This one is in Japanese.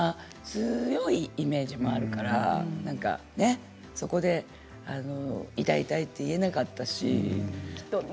強いイメージもあるからそこでやっぱり痛い、痛いと言えなかったし。